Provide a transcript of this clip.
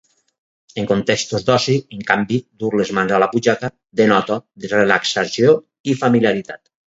En contextos d'oci, en canvi, dur les mans a la butxaca denota relaxació i familiaritat.